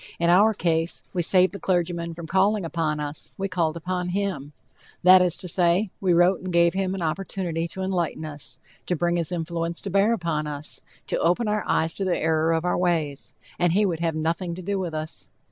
In our case, we saved the clergyman from calling upon us, we called upon him that is to say, we wrote and gave him an opportunity to enlighten us, to bring his influence to bear upon us, to open our eyes to the error of our ways, and he would have nothing to do with us.